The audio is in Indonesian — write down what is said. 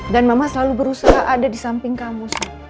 dan mama selalu berusaha ada di samping kamu